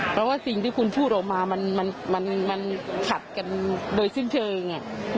เพราะว่าสิ่งที่คุณพูดออกมามันขัดกันโดยสิ้นเชิง